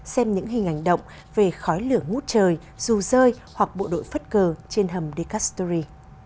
xem những hình ảnh động về khói lửa ngút trời dù rơi hoặc bộ đội phất cờ trên hầm decastory